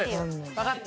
わかった。